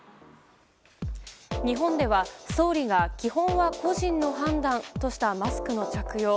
日本では、総理が基本は個人の判断としたマスクの着用。